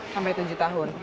sampai tujuh tahun